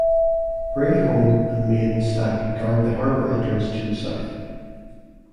Brei Holm and Maiden Stack guard the harbour entrance to the south.